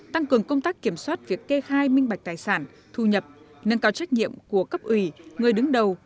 tăng cường công tác kiểm soát việc kê khai minh bạch tài sản thu nhập nâng cao trách nhiệm của cấp ủy người đứng đầu